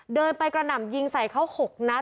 เดินไปกระหน่ำยิงใส่เขา๖นัด